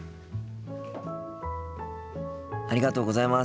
ありがとうございます。